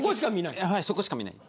そこしか見ない。